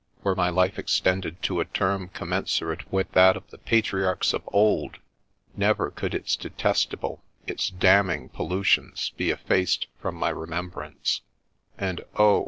Were my life extended to a term commensurate with that of the Patriarchs of old, never could its detestable, its damning pollutions be effaced from my remembrance ; and oh